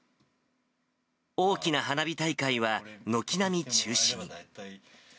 大きな花火大会は軒並み中止に。